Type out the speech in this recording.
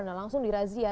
nah langsung dirazia